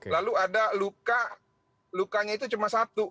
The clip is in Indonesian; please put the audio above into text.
lalu ada luka lukanya itu cuma satu